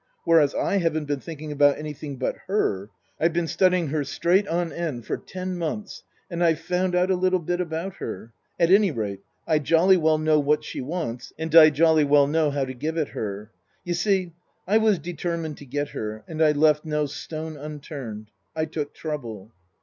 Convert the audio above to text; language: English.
Whereas I haven't been thinking about anything but her I've been studying her straight on end for ten months and I've found out a little bit about her. At any rate, I jolly well know what she wants and I jolly well know how to give it her. " You see, I was determined to get her, and I left no stone unturned. I took trouble."